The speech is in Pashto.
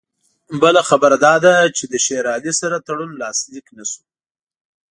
بله خبره دا ده چې له شېر علي سره تړون لاسلیک نه شو.